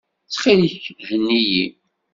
Ttxil-k, henni-iyi.